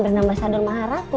beri nama sadur maharaku